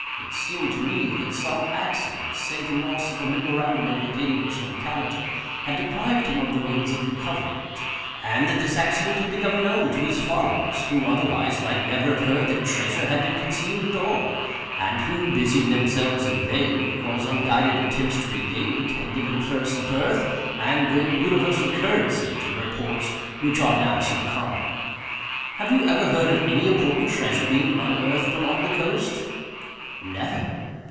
It seemed to me that some accident—say the loss of a memorandum indicating its locality—had deprived him of the means of recovering it, and that this accident had become known to his followers, who otherwise might never have heard that treasure had been concealed at all, and who, busying themselves in vain, because unguided attempts, to regain it, had given first birth, and then universal currency, to the reports which are now so common. Have you ever heard of any important treasure being unearthed along the coast?" "Never."